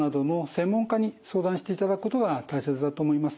専門家に相談していただくことが大切だと思います。